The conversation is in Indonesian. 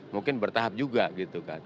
mungkin bertahap juga gitu kan